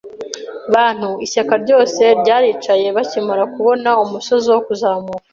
bantu, ishyaka ryose ryaricaye bakimara kubona umusozi wo kuzamuka.